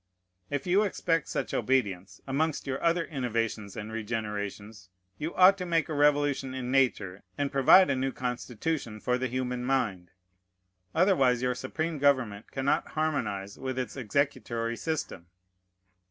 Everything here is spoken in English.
If you expect such obedience, amongst your other innovations and regenerations, you ought to make a revolution in Nature, and provide a new constitution, for the human mind: otherwise your supreme government cannot harmonize with its executory system.